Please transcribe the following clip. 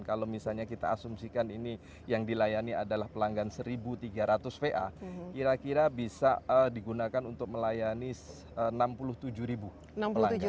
kalau misalnya kita asumsikan ini yang dilayani adalah pelanggan satu tiga ratus va kira kira bisa digunakan untuk melayani enam puluh tujuh ribu pelanggan